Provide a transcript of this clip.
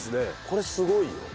これすごいよ。